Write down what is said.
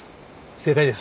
正解です。